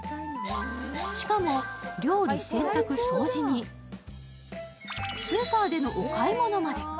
しかも料理・洗濯・掃除にスーパーでのお買い物まで。